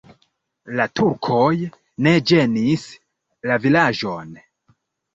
La turkoj ne ĝenis la vilaĝon.